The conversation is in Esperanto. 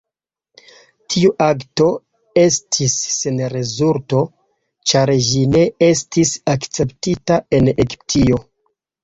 Tiu akto estis sen rezulto, ĉar ĝi ne estis akceptita en Egiptio.